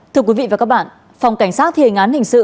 thưa quý vị và các bạn phòng cảnh sát thi hình án hình sự